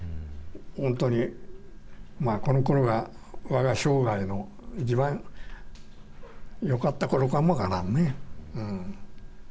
本当にこのころがわが生涯の一番よかったころかも分からんね。